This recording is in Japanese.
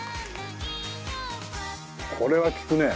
これはきくね。